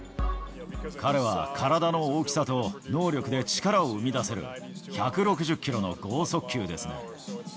彼は体の大きさと能力で力を生み出せる１６０キロの剛速球ですね。